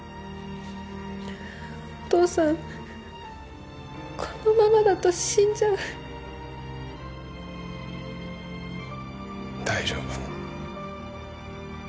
お父さんこのままだと死んじゃう大丈夫